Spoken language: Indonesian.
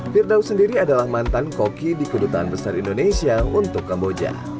firdaus sendiri adalah mantan koki di kedutaan besar indonesia untuk kamboja